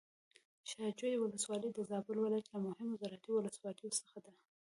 شاه جوی ولسوالي د زابل ولايت له مهمو زراعتي ولسواليو څخه ده.